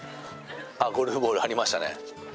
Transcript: ゴルフボールありましたね。